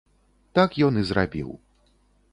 Так ён і зрабіў.